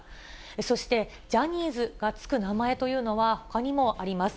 そして、ジャニーズが付く名前というのは、ほかにもあります。